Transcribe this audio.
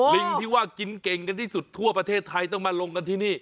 ลิงที่ว่ากินเก่งกันที่สุดทั่วประเทศไทยต้องมาลงกันที่นี่